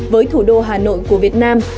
với thủ đô hà nội của việt nam